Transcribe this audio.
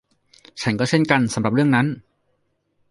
ฉันก็เช่นกันสำหรับเรื่องนั้น